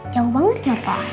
jauh banget ya pak